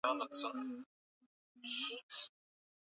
viongozi waifanye sasa kazi ya kuondokana na ubaguzi